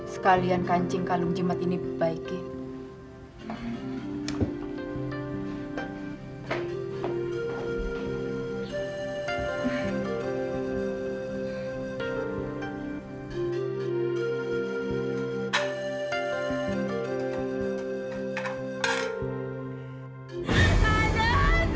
sekalian kancing kalung jimat ini bebaikin